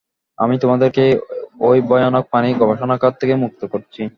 আমি তোমাদেরকে এই ভয়ানক প্রাণী গবেষণাগার থেকে মুক্ত করছি।